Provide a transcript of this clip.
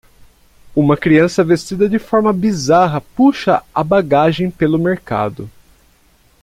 Uma criança vestida de forma bizarra puxa a bagagem pelo mercado